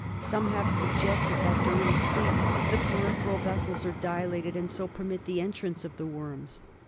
Some have suggested that during sleep the peripheral vessels are dilated, and so permit the entrance of the worms.